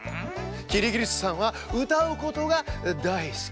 キリギリスさんはうたうことがだいすき。